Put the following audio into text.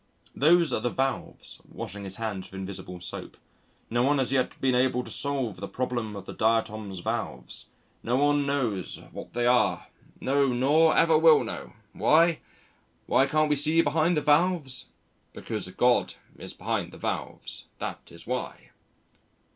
"Those are the valves" washing his hands with invisible soap "no one has yet been able to solve the problem of the Diatom's valves. No one knows what they are no, nor ever will know why? why can't we see behind the valves? because God is behind the valves that is why!"